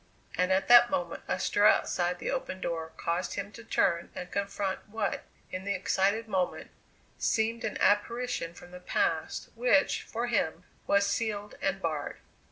And at that moment a stir outside the open door caused him to turn and confront what, in the excited moment, seemed an apparition from the past, which, for him, was sealed and barred.